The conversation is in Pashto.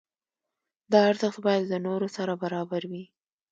دا ارزښت باید له نورو سره برابر وي.